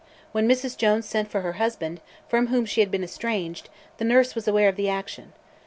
When Mrs. Jones sent for her husband, from whom she had been estranged, the nurse was aware of the action.